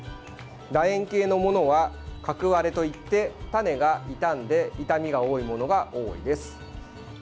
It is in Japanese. だ円形のものは核割れといって種が傷んで傷みが多いものが多いです。